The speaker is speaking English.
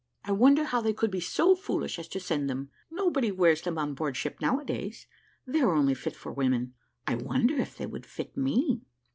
I wonder how they could be so foolish as to send them; nobody wears them on board ship now a days. They are only fit for women I wonder if they would fit me."